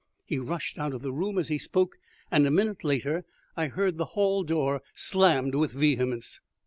He rushed out of the room as he spoke, and a minute later I heard the hall door slammed with vehemence.